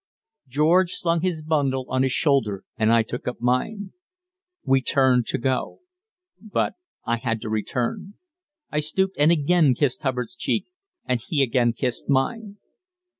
George slung his bundle on his shoulder, and I took up mine. We turned to go. But I had to return. I stooped and again kissed Hubbard's cheek, and he again kissed mine.